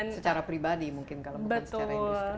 secara pribadi mungkin kalau bukan secara industri